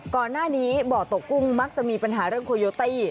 ก่อนหน้านี้บ่อตกกุ้งมักจะมีปัญหาเรื่องโคโยตี้